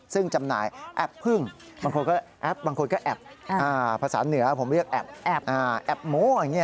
ซึ่งจำหน่ายแอปพึ่งบางคนก็แอปบางคนก็แอบภาษาเหนือผมเรียกแอบโม้อย่างนี้